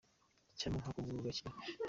Icyampa nkakuvura ugakira.